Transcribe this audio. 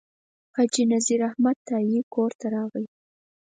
حاجي نذیر احمد تائي کور ته راغی.